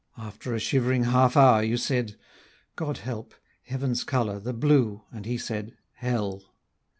After a shivering half hour you said: 'God help! heaven's colour, the blue;' and he said, 'hell.'